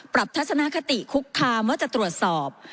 ทัศนคติคุกคามว่าจะตรวจสอบ